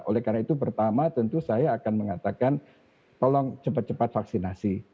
oleh karena itu pertama tentu saya akan mengatakan tolong cepat cepat vaksinasi